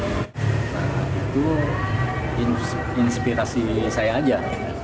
itu inspirasi saya aja